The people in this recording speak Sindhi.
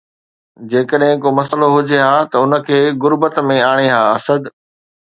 جيڪڏهن ڪو مسئلو هجي ها ته ان کي غربت ۾ آڻي ها“ اسد